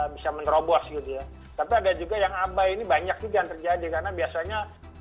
bisa menerobos gitu ya tapi ada juga yang abai ini banyak juga yang terjadi karena biasanya